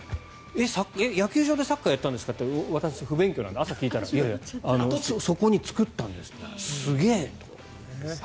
野球場でサッカーやってんですかと言ったら、不勉強なので朝聞いたらそこに作ったんですってすげえ！と思って。